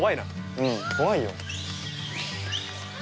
うん怖いよ。